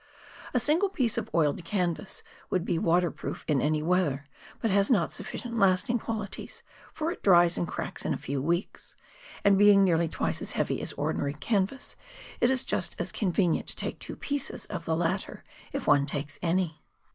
A single piece of oiled canvas would be water proof in any weather, but has not sufii cient lasting qualities, for it dries and cracks in a few weeks, and being nearly twice as heavy as ordinary canvas, it is just as convenient to take two pieces of the latter, if one takes any.